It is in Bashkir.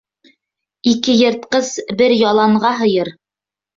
Ике йыртҡыс бер яланға һыйыр